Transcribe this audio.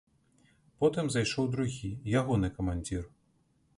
Потым зайшоў другі, ягоны камандзір.